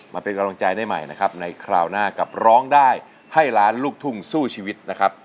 มาเป็นกำลังใจได้ใหม่นะครับในคราวหน้ากับร้องได้ให้ล้านลูกทุ่งสู้ชีวิตนะครับ